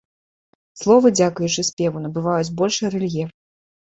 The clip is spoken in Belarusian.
Словы, дзякуючы спеву, набываюць большы рэльеф.